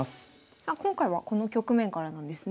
さあ今回はこの局面からなんですね。